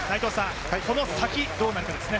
この先どうなるかですね。